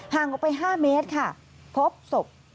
ออกไป๕เมตรค่ะพบศพ